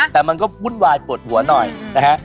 แต่มันก็วุ่นวายปวดหัวหน่อยนะฮะ